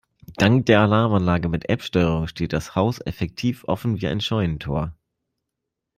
Dank der Alarmanlage mit App-Steuerung steht das Haus effektiv offen wie ein Scheunentor.